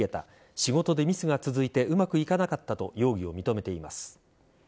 仕事でミスが続いてうまくいかなかったと容疑を認めています。